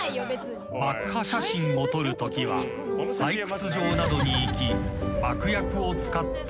［爆破写真を撮るときは採掘場などに行き］